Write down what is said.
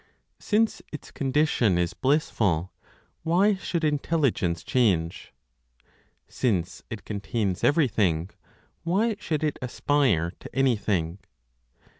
Since its condition is blissful, why should Intelligence change? Since it contains everything, why should it aspire to anything?